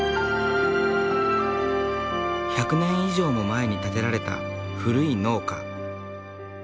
１００年以上も前に建てられた古い農家。